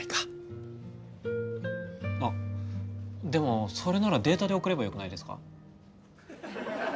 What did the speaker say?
あっでもそれならデータで送ればよくないですか？